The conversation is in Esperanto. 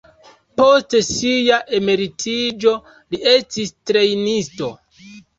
Post sia emeritiĝo, li estis trejnisto.